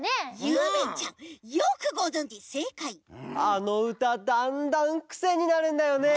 あのうただんだんくせになるんだよね。